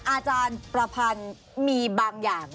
อาจารย์ประพันธ์มีบางอย่าง